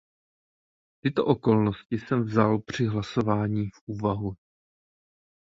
Tyto okolnosti jsem vzal při hlasování v úvahu.